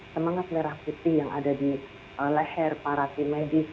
semangat merah putih yang ada di leher para tim medis